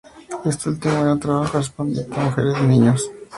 Este último era un trabajo correspondiente a mujeres y niños.